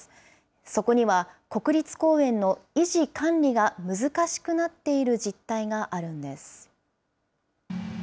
そこには国立公園の維持・管理が難しくなっている実態があるんです。